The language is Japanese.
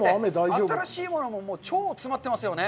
新しいものも超詰まってますよね。